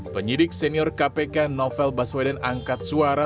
penyidik senior kpk novel baswedan angkat suara